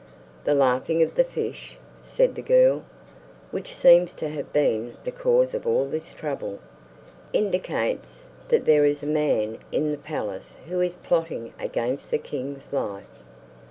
"The laughing of the fish," said the girl "which seems to have been the cause of all this trouble, indicates that there is a man in the palace who is plotting against the king's life."